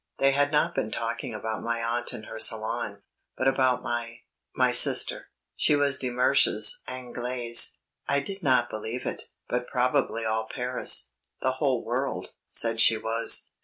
They had not been talking about my aunt and her Salon, but about my ... my sister. She was De Mersch's "Anglaise." I did not believe it, but probably all Paris the whole world said she was.